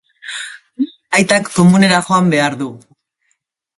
Aitak komunera joan behar du.